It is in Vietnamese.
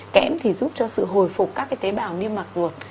kém thì giúp cho sự hồi phục các cái tế bào niêm mạc ruột